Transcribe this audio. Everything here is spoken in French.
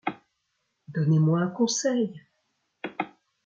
Donnez-moi un conseil !